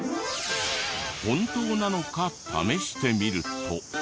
本当なのか試してみると。